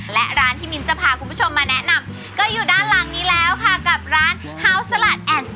และร้านที่มีนจะพาคุณผู้ชมมาแนะนำ